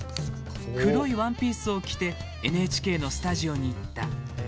黒いワンピースを着てＮＨＫのスタジオに行った。